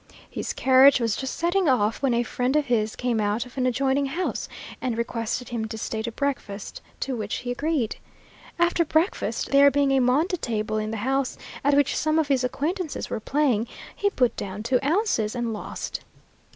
His carriage was just setting off, when a friend of his came out of an adjoining house, and requested him to stay to breakfast, to which he agreed. After breakfast, there being a monte table in the house, at which some of his acquaintances were playing, he put down two ounces, and lost.